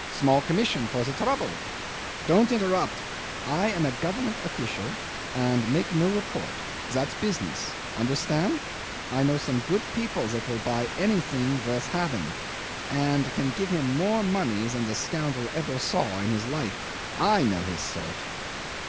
Small commission for the trouble. Don't interrupt. I am a Government official, and make no report. That's business. Understand? I know some good people that will buy anything worth having, and can give him more money than the scoundrel ever saw in his life. I know his sort."